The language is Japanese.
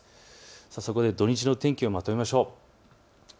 そこで土日の天気をまとめましょう。